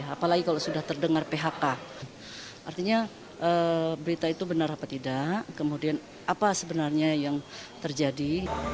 apalagi kalau sudah terdengar phk artinya berita itu benar apa tidak kemudian apa sebenarnya yang terjadi